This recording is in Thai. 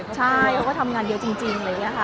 ใช่เขาก็ทำงานเยอะจริงอะไรอย่างนี้ค่ะ